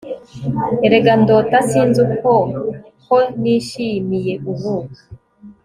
Erega ndota sinzi uko Ko nishimiye ubu